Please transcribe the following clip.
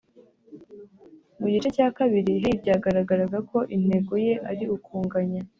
Mu gice cya kabiri Hey byagaragaraga ko intego ye ari ukunganya